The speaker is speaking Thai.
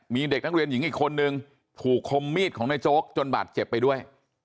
มีเด็กนักเรียนหญิงอีกคนนึงถูกคมมีดของนายโจ๊กจนบาดเจ็บไปด้วย